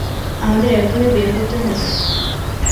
আমাদের এখনই বের হতে হবে।